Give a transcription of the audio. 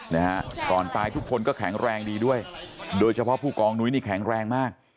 นะฮะก่อนตายทุกคนก็แข็งแรงดีด้วยโดยเฉพาะผู้กองนุ้ยนี่แข็งแรงมาก